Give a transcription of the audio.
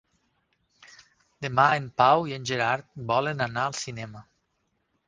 Demà en Pau i en Gerard volen anar al cinema.